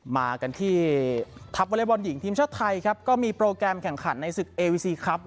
มากันที่ทัพวอเล็กบอลหญิงทีมชาติไทยครับก็มีโปรแกรมแข่งขันในศึกเอวีซีครับ